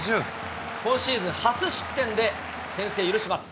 今シーズン初失点で、先制許します。